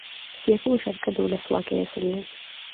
سیاسي مشارکت د ولسواکۍ اصل دی